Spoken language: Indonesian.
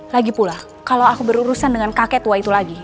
lagi pula kalau aku berurusan dengan kakek tua itu lagi